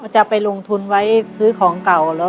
จะไปลงทุนมีไหร่รับทราบ